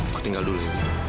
aku tinggal dulu